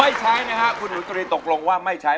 ไม่ใช้นะครับคุณหุ้นตกลงว่าไม่ใช้